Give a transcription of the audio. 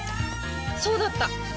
そうだった！